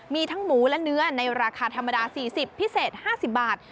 มีทั้งหมูและเนื้อในราคาธรรมดา๔๐พิเศษ๕๐บาท